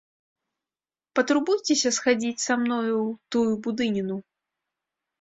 Патурбуйцеся схадзіць са мною ў тую будыніну!